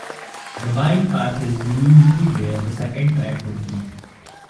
The bike path is usually where the second track would be.